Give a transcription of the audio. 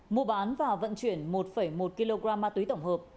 mua bán và vận chuyển một một kg ma túy tổng hợp